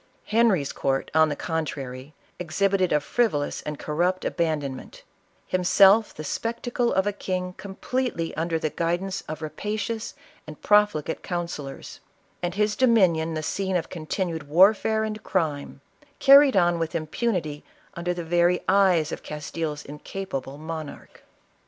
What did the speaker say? Henry's court, on the contrary, exhibited a frivolous and corrupt abandonment; himself the spec tacle of a king completely under the guidance of rapa cious and profligate councillors ; and his dominion the scene of continued warfare and crime, carried on with impunity under the very eyes of Castile's incapable monarch.